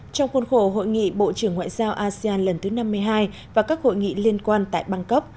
trong khuôn khổ hội nghị bộ trưởng ngoại giao asean lần thứ năm mươi hai và các hội nghị liên quan tại bangkok